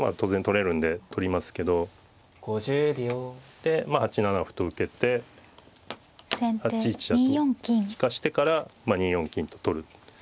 で８七歩と受けて８一飛車と引かしてから２四金と取る。